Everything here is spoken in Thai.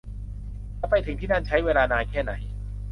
จะไปถึงที่นั้นใช้เวลานานแค่ไหน